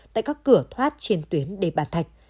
tại các cửa thoát trên tuyến đề bàn thạch